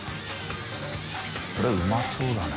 海うまそうだね。